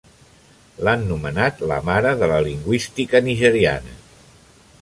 L'han nomenat la mare de la lingüística nigeriana.